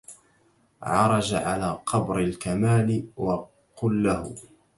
عرج على قبر الكمال وقل له